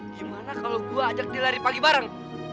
gimana kalau gue ajak dia lari pagi bareng